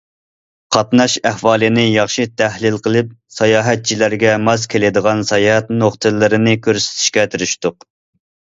قاتناش ئەھۋالىنى ياخشى تەھلىل قىلىپ، ساياھەتچىلەرگە ماس كېلىدىغان ساياھەت نۇقتىلىرىنى كۆرسىتىشكە تىرىشتۇق.